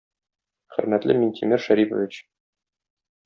Хөрмәтле Минтимер Шәрипович!